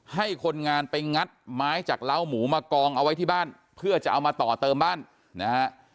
ให้คนงานไปงัดไม้จากเล้าหมูมากองเอาไว้ที่บ้านเพื่อจะเอามาต่อเติมบ้านนะฮะ